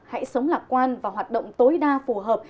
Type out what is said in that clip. hãy sống lạc quan và hoạt động tối đa phù hợp